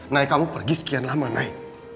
nay kamu pergi sekian lama nay